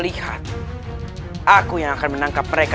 jika mereka mengambil laki laki kewarna marah itu